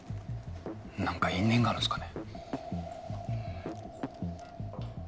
何か因縁があるんですかね？